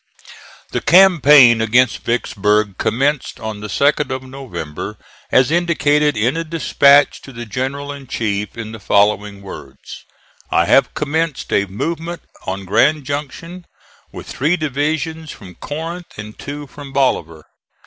The campaign against Vicksburg commenced on the 2d of November as indicated in a dispatch to the general in chief in the following words: "I have commenced a movement on Grand Junction, with three divisions from Corinth and two from Bolivar.